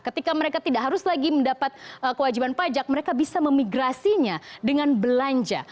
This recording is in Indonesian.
ketika mereka tidak harus lagi mendapat kewajiban pajak mereka bisa memigrasinya dengan belanja